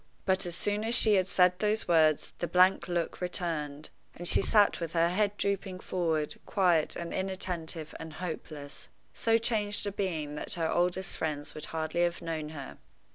But as soon as she had said those words the blank look returned, and she sat with her head drooping forward, quiet, and inattentive, and hopeless so changed a being that her oldest friends would hardly have known her.